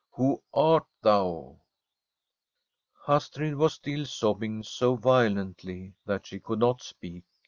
Who art thou ?' Astrid was still sobbing so violently that she could not speak.